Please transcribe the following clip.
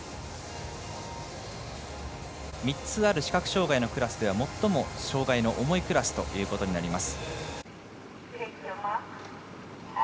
３つある視覚障がいのクラスでは最も障がいの重いクラスということになります。